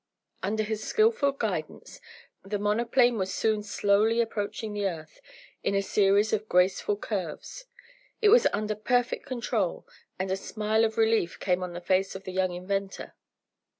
Under his skillful guidance, the monoplane was soon slowly approaching the earth in a series of graceful curves. It was under perfect control, and a smile of relief came on the face of the young inventor.